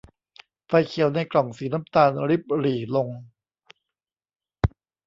ไฟเขียวในกล่องสีน้ำตาลริบหรี่ลง